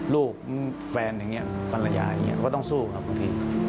ลูกแฟนอย่างนี้ภรรยาอย่างนี้ก็ต้องสู้ครับบางที